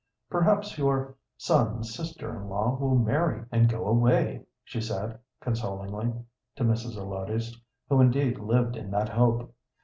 "Perhaps your son's sister in law will marry and go away," she said, consolingly, to Mrs. Zelotes, who indeed lived in that hope.